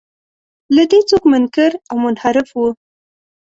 له دې څوک منکر او منحرف و.